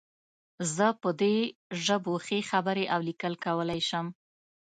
زه په دې ژبو ښې خبرې او لیکل کولی شم